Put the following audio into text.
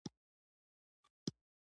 غیرت د نېک نامۍ ساتنه ده